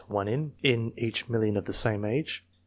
one in In each million of the same age.